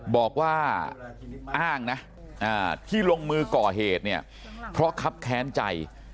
บอกว่าอ้างนะที่ลงมือก่อเหตุเนี่ยเพราะคับแค้นใจ